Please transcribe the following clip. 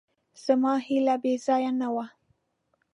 زما هیله بېځایه نه وه.